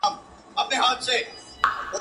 د شپو په زړه کي وینمه توپان څه به کوو؟.